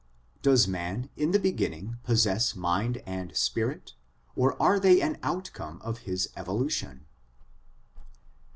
Does man in the beginning possess mind and spirit, or are they an outcome of his evolution